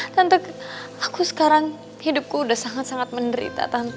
tante aku sekarang hidupku udah sangat sangat menderita